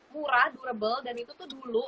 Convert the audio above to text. murah durable dan itu tuh dulu